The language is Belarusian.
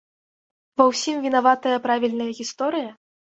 Ва ўсім вінаватая правільная гісторыя?